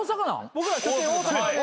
僕ら拠点大阪で。